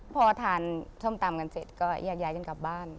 พอทานชมตำกันเสร็จก็ยากกันกลับบ้าน